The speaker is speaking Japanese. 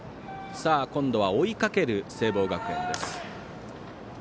今度は追いかける聖望学園です。